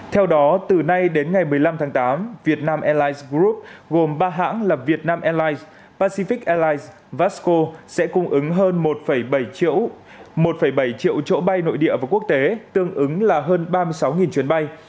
theo đó từ nay đến ngày một mươi năm tháng tám vietnam airlines group gồm ba hãng là vietnam airlines pacific airlines vasco sẽ cung ứng hơn một bảy triệu chỗ bay nội địa và quốc tế tương ứng là hơn ba mươi sáu chuyến bay